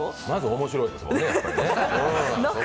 まず面白い。